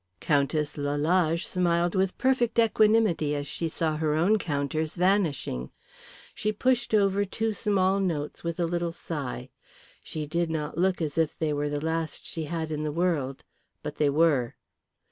Countess Lalage smiled with perfect equanimity as she saw her own counters vanishing. She pushed over two small notes with a little sigh. She did not look as if they were the last she had in the world, but they were.